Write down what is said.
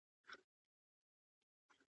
د اوبو ډېر څښل پوستکی ځلوي.